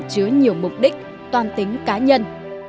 chứa nhiều mục đích toan tính cá nhân